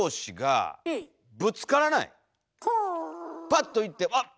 パッといって「あっ」。